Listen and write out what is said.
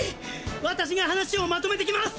わたしが話をまとめてきます！